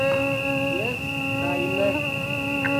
Jes kaj ne.